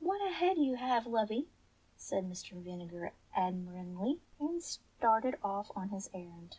"What a head you have, lovey," said Mr. Vinegar ad miringly, and started ofl^ on his errand.